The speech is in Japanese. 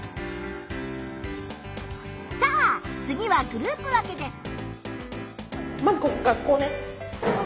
さあ次はグループ分けです。